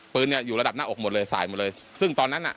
เนี่ยอยู่ระดับหน้าอกหมดเลยสายหมดเลยซึ่งตอนนั้นอ่ะ